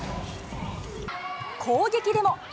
攻撃でも。